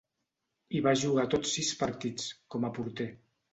Hi va jugar tots sis partits, com a porter.